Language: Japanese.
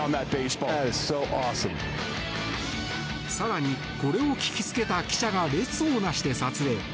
更に、これを聞きつけた記者が列を成して撮影。